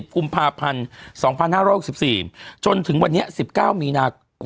กุมภาพันธ์๒๕๖๔จนถึงวันนี้๑๙มีนาคม